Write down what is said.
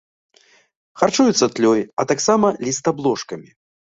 Харчуюцца тлёй, а таксама лістаблошкамі.